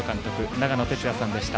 長野哲也さんでした。